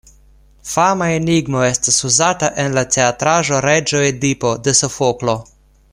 Fama enigmo estas uzata en la teatraĵo "Reĝo Edipo" de Sofoklo.